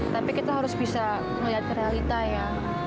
tapi kita harus bisa melihat realita ya